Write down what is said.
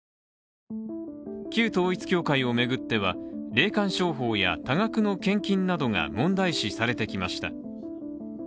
旧統一教会を巡っては霊感商法や多額の献金などが問題視されてきました。